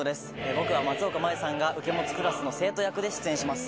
僕は松岡茉優さんが受け持つクラスの生徒役で出演します。